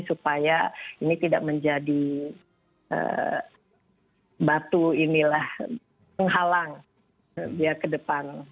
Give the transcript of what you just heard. supaya ini tidak menjadi batu inilah menghalang dia ke depan